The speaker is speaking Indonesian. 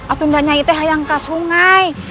atau nyai itu mau ke sungai